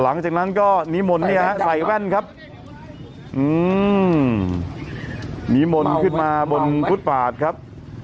หลังจากนั้นก็นิมนต์เนี่ยฮะใส่แว่นครับอืมนิมนต์ขึ้นมาบนฟุตบาทครับ